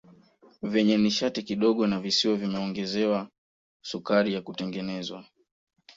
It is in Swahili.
Vyenye nishati kidogo na visiwe vimeongezwa sukari ya kutengenezwa